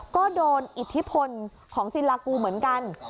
ก็โดนอิทธิพลของศิลากูเหมือนกัน